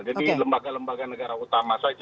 jadi lembaga lembaga negara utama saja